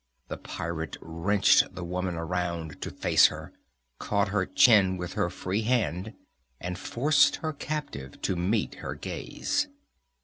The pirate wrenched the woman around to face her, caught her chin with her free hand and forced her captive to meet her gaze.